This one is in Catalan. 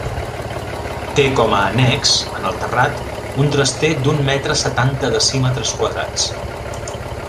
Té com a annex en el terrat un traster d'un metre setanta decímetres quadrats.